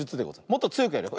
もっとつよくやるよ。